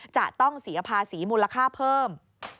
จะต้องเสียภาษีมูลค่าเพิ่ม